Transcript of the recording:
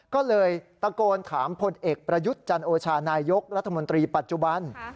ก็เลยตะโกนถามพลเอกประยุทธ์จันโอชานายกรัฐมนตรีปัจจุบัน